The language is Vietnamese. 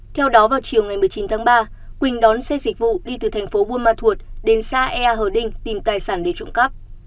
theo đó vào chiều một mươi chín tháng ba quỳnh đón xe dịch vụ đi từ thành phố buôn ma thuột đến xa e hờ đinh tìm tài sản để trộm cắp